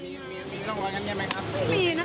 ระวังแบบนี้นะ